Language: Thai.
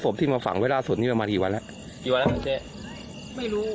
ที่มาฝังไว้ล่าสุดนี้ประมาณกี่วันแล้วกี่วันแล้วเจ๊ไม่รู้